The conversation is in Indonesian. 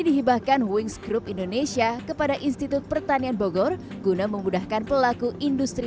dihibahkan wings group indonesia kepada institut pertanian bogor guna memudahkan pelaku industri